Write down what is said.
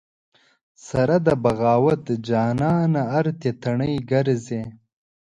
سره د بغاوت جانانه ارتې تڼۍ ګرځې